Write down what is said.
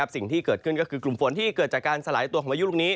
สิ่งที่เกิดขึ้นก็คือกลุ่มฝนที่เกิดจากการสลายตัวของพายุลูกนี้